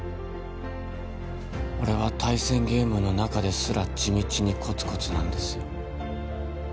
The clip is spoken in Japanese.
俺は対戦ゲームの中ですら地道にコツコツなんです